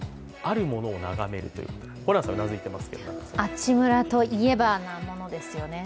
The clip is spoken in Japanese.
阿智村といえばのものですよね。